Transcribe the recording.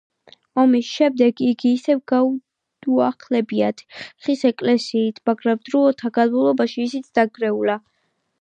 ომის შემდეგ იგი ისევ განუახლებიათ ხის ეკლესიით, მაგრამ დროთა განმავლობაში ისიც დანგრეულა.